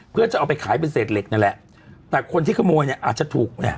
เพื่อจะเอาไปขายเป็นเศษเหล็กนั่นแหละแต่คนที่ขโมยเนี่ยอาจจะถูกเนี่ย